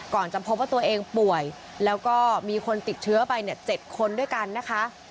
จะพบว่าตัวเองป่วยแล้วก็มีคนติดเชื้อไป๗คนด้วยกันนะคะ